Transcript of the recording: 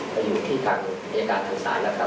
จะอยู่ที่อุทิศจริงแมงการทางสาธารณะแล้วครับ